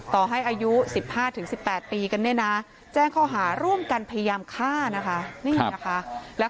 ต่อให้อยู่๑๕๑๘ปีใจงข้อหารูมกันพยายามฆ่า